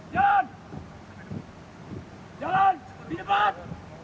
jalan jalan di depan